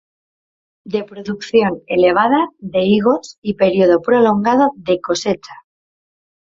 De producción elevada de higos y periodo prolongado de cosecha.